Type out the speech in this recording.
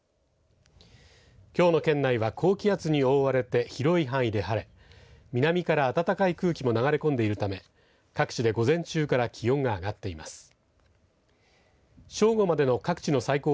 きょうの県内は高気圧に覆われて広い範囲で晴れ南から暖かい空気も流れ込んでいるため各地で午前中から気温が上がっています。